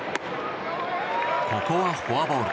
ここはフォアボール。